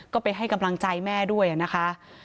ก็ไปให้กำลังใจแม่ด้วยนะคะ